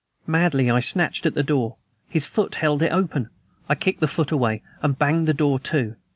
Madly I snatched at the door. His foot held it open. I kicked the foot away, and banged the door to.